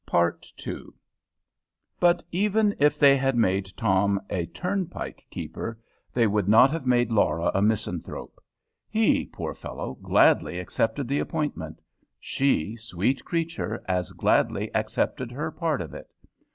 BUT even if they had made Tom a turnpike keeper, they would not have made Laura a misanthrope. He, poor fellow, gladly accepted the appointment. She, sweet creature, as gladly accepted her part of it.